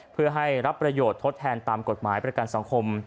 เพื่อให้รับประโยชน์ทดแทนตามกฎหมายประกันสังคม